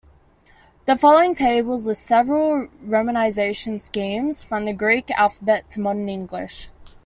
The following tables list several romanization schemes from the Greek alphabet to modern English.